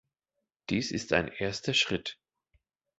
Dies ist ein erster Schritt.